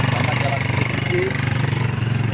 karena jalan ini sedikit